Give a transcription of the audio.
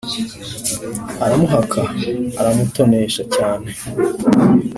aramuhaka, aramutonesha cyane.